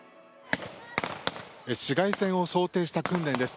市街戦を想定した訓練です。